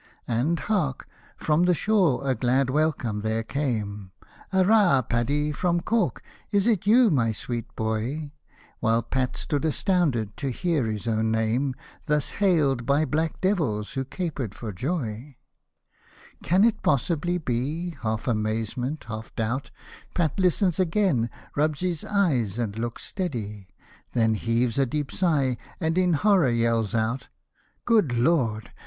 And, hark I from the shore a glad welcome there came —" Arrah, Paddy from Cork, is it you, my sweet boy ?'^ While Pat stood astounded, to hear his own name Thus hailed by black devils, who capered for joy ! Hosted by Google 224 SATIRICAL AND HUMOROUS POEMS Can it possibly be ?— half amazement — half doubt, Pat listens again — rubs his eyes and looks steady ; Then heaves a deep sigh, and in horror yells out, " Good Lord